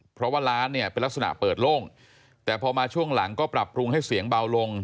เพราะว่าร้านเนี่ยเป็นลักษณะเปิดโล่งแต่พอมาช่วงหลังก็ปรับปรุงให้เสียงเบาลง